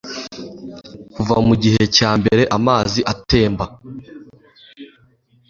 Kuva mugihe cyambere amazi atemba